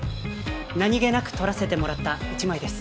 何気なく撮らせてもらった１枚です。